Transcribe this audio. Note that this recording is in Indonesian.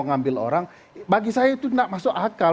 ngambil orang bagi saya itu tidak masuk akal